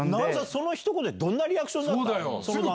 そのひと言でどんなリアクションだったの？